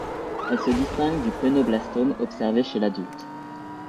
Elle se distingue du pneumoblastome, observé chez l'adulte.